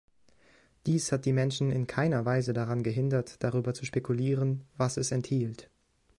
Dies hat die Menschen in keiner Weise daran gehindert, darüber zu spekulieren, was es enthielt.